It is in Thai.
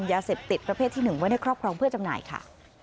ยาเสพติดประเภทที่๑ไว้ในครอบครองเพื่อจำหน่ายค่ะ